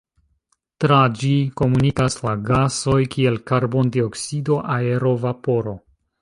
Tra ĝi komunikas la gasoj kiel karbon-dioksido, aero, vaporo.